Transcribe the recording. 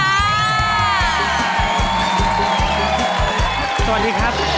มาเยือนทินกระวีและสวัสดี